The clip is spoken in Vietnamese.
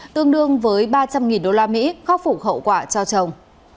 tương đương với ba trăm linh usd khóc phủ khẩu quả cho chồng